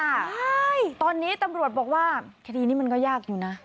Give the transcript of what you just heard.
ใช่ตอนนี้ตำรวจบอกว่าคดีนี้มันก็ยากอยู่นะ